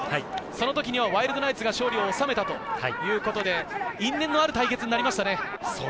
その時はワイルドナイツが勝利を収めたということで、因縁の対決になりましたね。